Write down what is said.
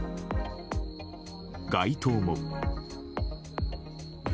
街灯も。